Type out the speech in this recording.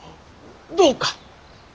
どうか！